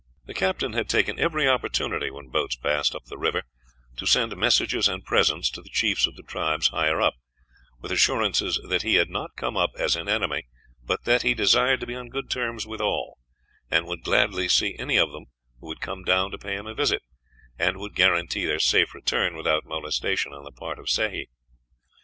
The captain had taken every opportunity, when boats passed up the river, to send messages and presents to the chiefs of the tribes higher up, with assurances that he had not come up as an enemy, but that he desired to be on good terms with all, and would gladly see any of them who would come down to pay him a visit, and would guarantee their safe return without molestation on the part of Sehi.